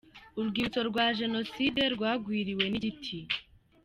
Urwibutso rwa jenoside rwagwiriwe n’igiti